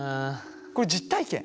これ実体験？